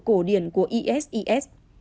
cổ điển của isis